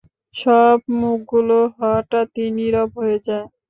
সব মুখগুলো হঠাৎই নিরব হয়ে যায়।